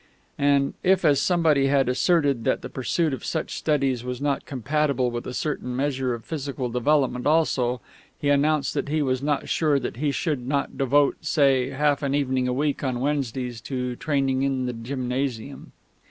And, as if somebody had asserted that the pursuit of such studies was not compatible with a certain measure of physical development also, he announced that he was not sure that he should not devote, say, half an evening a week, on Wednesdays, to training in the gymnasium.